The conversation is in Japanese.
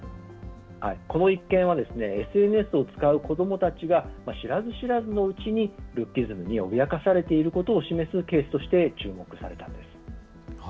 この一件はＳＮＳを使う子どもたちが知らず知らずのうちにルッキズムに脅かされていることを示すケースとして注目されたんです。